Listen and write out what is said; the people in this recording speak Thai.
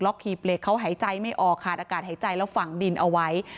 หีบเหล็กเขาหายใจไม่ออกขาดอากาศหายใจแล้วฝังดินเอาไว้